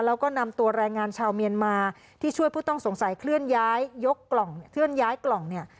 แล้วก็นำตัวแรงงานชาวเมียนมาที่ช่วยผู้ต้องสงสัยเคลื่อนย้ายยกกล่องเคลื่อนย้ายกล่องเนี่ย